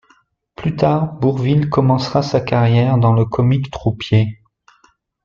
Plus tard, Bourvil commencera sa carrière dans le comique troupier.